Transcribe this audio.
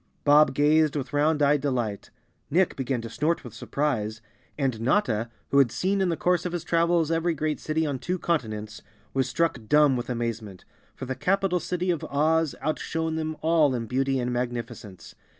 Bob gazed with round eyed delight, Nick began to snort with surprise, and Notta, who had seen in the 241 The Cowardly Lion of Oz _ course of his travels every great city on two continents, was struck dumb with amazement, for the capital city of Oz outshone them all in beauty and magnificence.